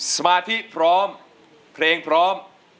สมาธิพร้อมเพลงพร้อม